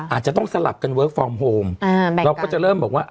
อาจจะต้องสลับกันเวิร์คฟอร์มโฮมเราก็จะเริ่มบอกว่า